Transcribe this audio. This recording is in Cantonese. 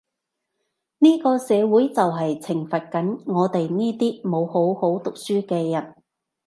呢個社會就係懲罰緊我哋呢啲冇好好讀書嘅人